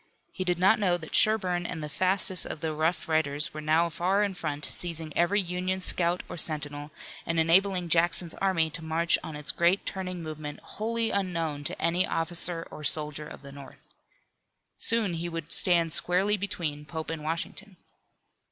He did not know that Sherburne and the fastest of the rough riders were now far in front, seizing every Union scout or sentinel, and enabling Jackson's army to march on its great turning movement wholly unknown to any officer or soldier of the North. Soon he would stand squarely between Pope and Washington.